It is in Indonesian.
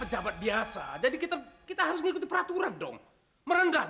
pegi sama raka udah